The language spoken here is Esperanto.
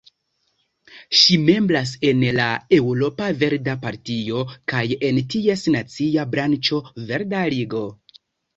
Ŝi membras en la Eŭropa Verda Partio kaj en ties nacia branĉo Verda Ligo.